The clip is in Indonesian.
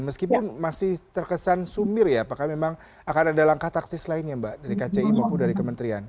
meskipun masih terkesan sumir ya apakah memang akan ada langkah taktis lainnya mbak dari kci maupun dari kementerian